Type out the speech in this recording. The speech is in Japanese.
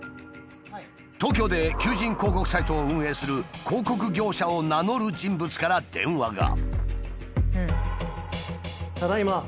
東京で求人広告サイトを運営する広告業者を名乗る人物から電話が。